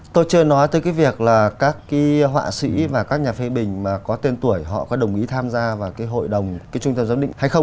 tôi chưa nói tới việc các họa sĩ và các nhà phê bình có tên tuổi họ có đồng ý tham gia vào hội đồng trung tâm giám định hay không